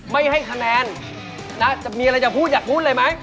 ไม่ให้คะแนนนะจะมีอะไรจะพูดอยากพูดเลยไหม